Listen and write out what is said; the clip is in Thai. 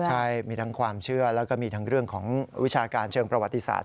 ใช่มีทั้งความเชื่อแล้วก็มีทั้งเรื่องของวิชาการเชิงประวัติศาสต